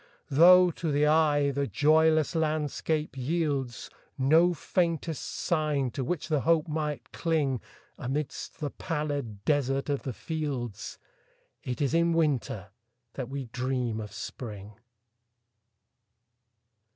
Though, to the eye, the joyless landscape yieldsNo faintest sign to which the hope might cling,—Amidst the pallid desert of the fields,—It is in Winter that we dream of Spring.